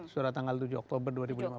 surat tanggal tujuh oktober dua ribu lima belas